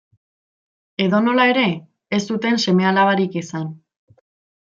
Edonola ere, ez zuten seme-alabarik izan.